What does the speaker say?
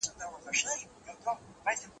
صرف و نحو دي ویلي که نه دي